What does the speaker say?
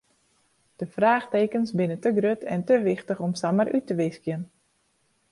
De fraachtekens binne te grut en te wichtich om samar út te wiskjen.